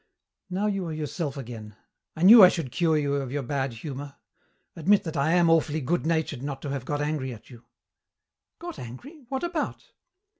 "Now you are yourself again. I knew I should cure you of your bad humour. Admit that I am awfully good natured not to have got angry at you." "Got angry? What about?"